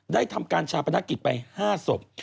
ทำการชาปนกิจไป๕ศพ